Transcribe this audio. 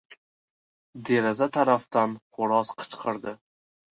Deraza tarafdan xo‘roz qichqirdi.